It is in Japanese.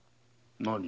何？